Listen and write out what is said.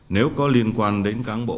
nếu có liên quan đến hành vi của bà herbel